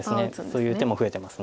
そういう手も増えてます。